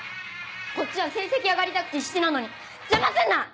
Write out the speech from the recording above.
こっちは成績上がりたくて必死なのに邪魔すんな！